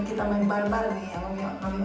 kita main bar bar nih sama ma oci